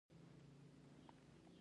آیا مافیا په بازار کې شته؟